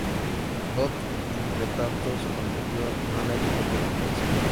Dot entretanto se convirtió en una etiqueta del país.